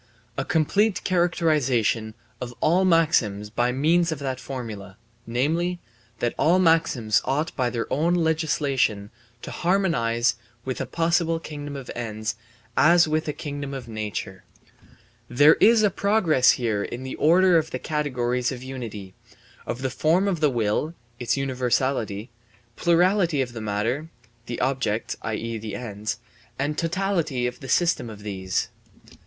A complete characterization of all maxims by means of that formula, namely, that all maxims ought by their own legislation to harmonize with a possible kingdom of ends as with a kingdom of nature. * There is a progress here in the order of the categories of unity of the form of the will (its universality), plurality of the matter (the objects, i.e., the ends), and totality of the system of these.